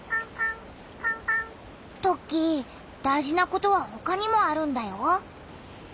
トッキー大事なことはほかにもあるんだよ。